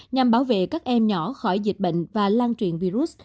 nhằm bảo vệ các em nhỏ khỏi dịch bệnh và lan truyền virus